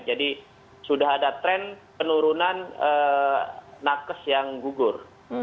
jadi sudah ada tren penurunan nakes yang gugur